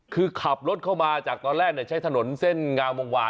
คือขับรถเข้ามาจากตอนแรกใช้ถนนเส้นงามวงวา